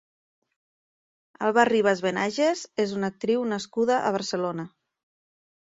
Alba Ribas Benaiges és una actriu nascuda a Barcelona.